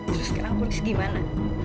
terus sekarang aku harus gimana